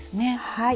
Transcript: はい。